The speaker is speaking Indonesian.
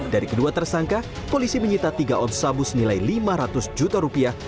dari kedua tersangka polisi menyita tiga on sabu senilai lima ratus juta rupiah